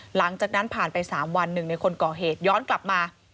หลังจากนั้นผ่านไป๓วันหนึ่งในคนก่อเหตุย้อนกลับมา